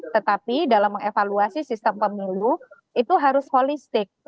tetapi dalam mengevaluasi sistem pemilu itu harus holistik